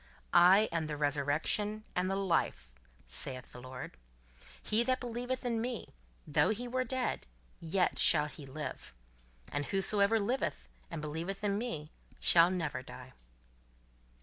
"I am the resurrection and the life, saith the Lord: he that believeth in me, though he were dead, yet shall he live: and whosoever liveth and believeth in me, shall never die."